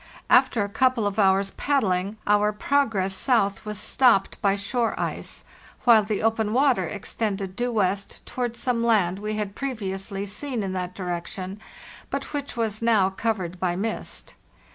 After a couple of hours' paddling our progress south was stopped by shore ice, while the open water extended due west towards some land we had previously seen in that direction, but which was now covered by mist.